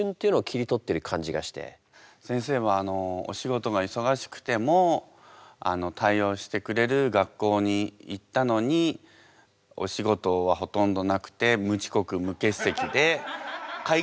先生はお仕事が忙しくても対応してくれる学校に行ったのにお仕事はほとんどなくてそうなんだ。